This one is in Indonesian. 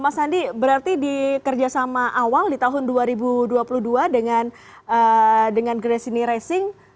mas andi berarti di kerjasama awal di tahun dua ribu dua puluh dua dengan grace ini racing